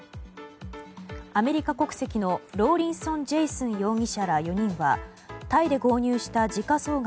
アメリカ国籍のローリンソン・ジェイスン容疑者ら４人はタイで購入した時価総額